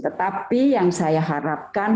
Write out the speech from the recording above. tetapi yang saya harapkan